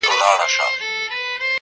کلي دوه برخې ښکاري اوس ډېر,